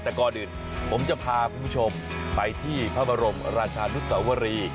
แต่ก่อนอื่นผมจะพาคุณผู้ชมไปที่พระบรมราชานุสวรี